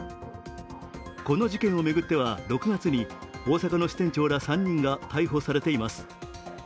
この事件を巡っては６月に大阪の支店長ら３人が逮捕されています。